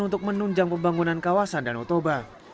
untuk menunjang pembangunan kawasan danau toba